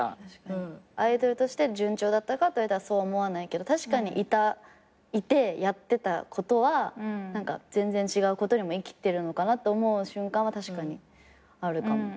「アイドルとして順調だったか」って言われたらそう思わないけど確かにいてやってたことは何か全然違うことにも生きてるのかなと思う瞬間は確かにあるかも。